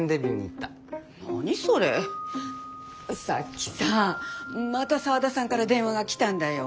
さっきさまた沢田さんから電話が来たんだよ。